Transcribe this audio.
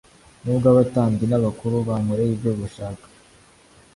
nubwo abatambyi n'abakuru bankoreye ibyo bashaka,